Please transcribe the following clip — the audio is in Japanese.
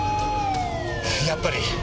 やっぱり。